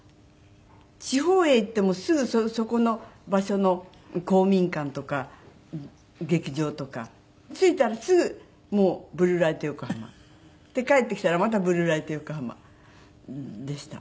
地方へ行ってもすぐそこの場所の公民館とか劇場とか着いたらすぐもう『ブルー・ライト・ヨコハマ』。で帰ってきたらまた『ブルー・ライト・ヨコハマ』でした。